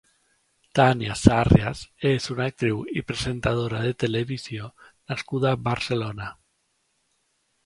Tània Sàrrias és una actriu i presentadora de televisió nascuda a Barcelona.